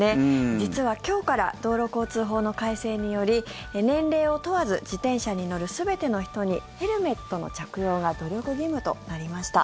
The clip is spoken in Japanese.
実は今日から道路交通法の改正により年齢を問わず自転車に乗る全ての人にヘルメットの着用が努力義務となりました。